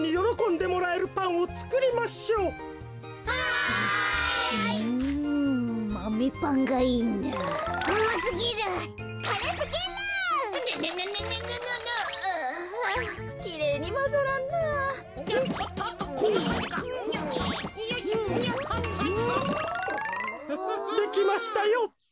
できましたよ。